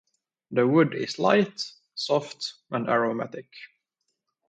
The wood is light, soft and aromatic.